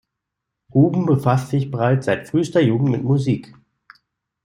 Houben befasst sich bereits seit frühester Jugend mit Musik.